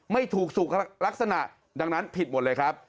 ไม่ถูกสุขลักษณะดังนั้นผิดหมดเลยครับ